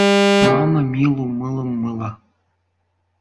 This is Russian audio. Мама Милу мылом мыла.